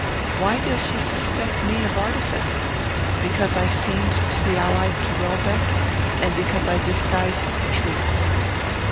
Why does she suspect me of artifice? Because I seemed to be allied to Welbeck, and because I disguised the truth.